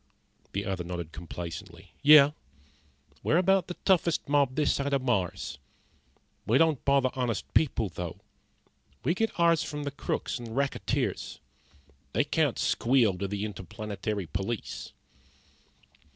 The other nodded complacently. "Yeah. We're about the toughest mob this side of Mars. We don't bother honest people, though. We get ours from the crooks and racketeers. They can't squeal to the Interplanetary Police."